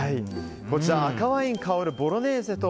こちら赤ワイン香るボロネーゼと